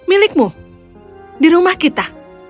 milikmu di rumah kita